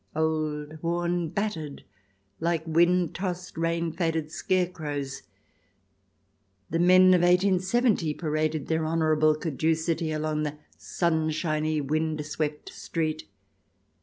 Old, worn, battered, like wind tossed, rain faded scarecrows, the men of 1870 paraded their honour able caducity along the sunshiny, wind swept street.